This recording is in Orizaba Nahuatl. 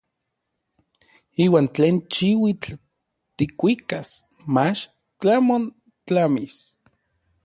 Iuan tlen xiuitl tikuikas mach tlamon tlamis.